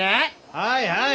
はいはい！